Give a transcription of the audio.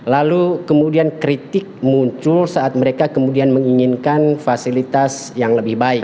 lalu kemudian kritik muncul saat mereka kemudian menginginkan fasilitas yang lebih baik